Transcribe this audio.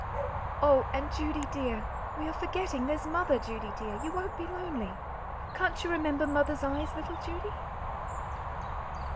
"Oh! and Judy, dear, we are forgetting; there's Mother, Judy, dear you won't be lonely! Can't you remember Mother's eyes, little Judy?"